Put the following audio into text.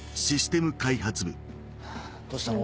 どうしたの？